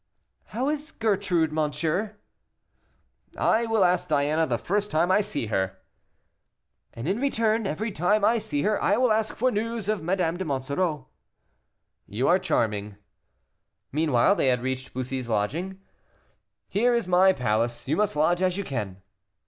"How is Gertrude, monsieur?" "I will ask Diana the first time I see her." "And, in return, every time I see her I will ask for news of Madame de Monsoreau." "You are charming." Meanwhile they had reached Bussy's lodging. "Here is my palace; you must lodge as you can."